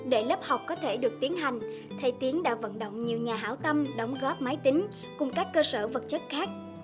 để lớp học có thể được tiến hành thầy tiến đã vận động nhiều nhà hảo tâm đóng góp máy tính cùng các cơ sở vật chất khác